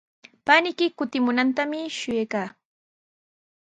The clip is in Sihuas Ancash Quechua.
Paniyki kutimunantami shuyaykaa.